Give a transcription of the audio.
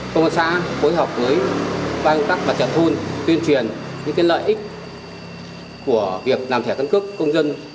công an xã hối hợp với ban công tác và trận thôn tuyên truyền những lợi ích của việc làm thẻ cân cước công dân